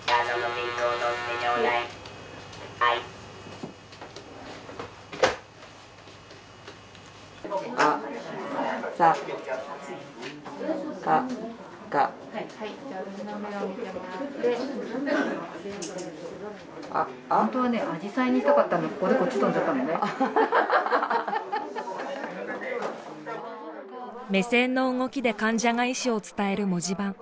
目線の動きで患者が意思を伝える文字盤。